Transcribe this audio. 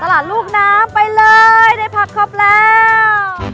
ลูกน้ำไปเลยได้ผักครบแล้ว